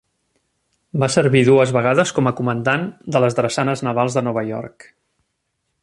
Va servir dues vegades com a comandant de les Drassanes Navals de Nova York.